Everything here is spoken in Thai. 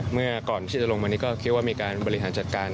เมื่อก่อนที่จะลงมานี่ก็คิดว่ามีการบริหารจัดการ